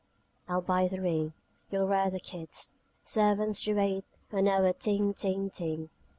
I'll buy the ring, You'll rear the kids: Servants to wait on our ting, ting, ting.